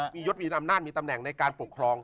มียศมีอำนาจมีตำแหน่งในการปกครอง